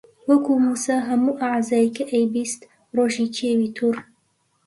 وەکوو مووسا هەموو ئەعزای کە ئەیبیست ڕۆژی کێوی توور